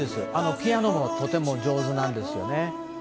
ピアノもとても上手なんですよね。